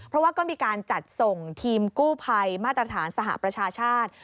เพราะว่าก็มีการจัดส่งทีมกู้ภัยมาตรฐานสหประชาชาติ